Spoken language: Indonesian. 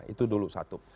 itu dulu satu